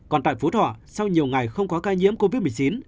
còn tại phú thọ sau nhiều ngày không có ca nhiễm covid một mươi chín